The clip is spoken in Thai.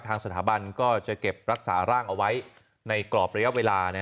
ทางสถาบันก็จะเก็บรักษาร่างเอาไว้ในกรอบระยะเวลา